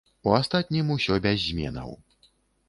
У астатнім усё без зменаў.